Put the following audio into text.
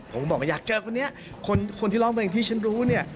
ผมบอกว่าอยากเจอคนนี้คนที่ร้องเพลงที่ฉันรู้เนี่ย